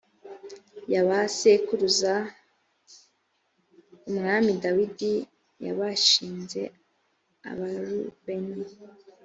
ya ba sekuruza a umwami dawidi yabashinze abarubeni